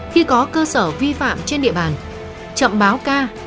khi có cơ sở vi phạm trên địa bàn chậm báo ca